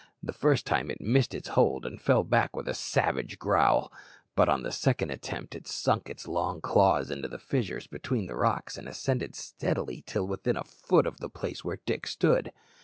The first time it missed its hold, and fell back with a savage growl; but on the second attempt it sunk its long claws into the fissures between the rocks, and ascended steadily till within a foot of the place where Dick stood.